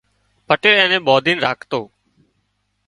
پٽيل اين نين ٻانڌين راکتو